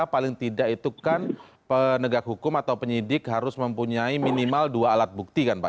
paling tidak itu kan penegak hukum atau penyidik harus mempunyai minimal dua alat bukti kan pak